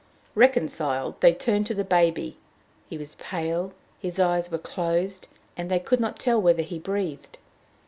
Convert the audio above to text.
Reconciled, they turned to the baby. He was pale, his eyes were closed, and they could not tell whether he breathed.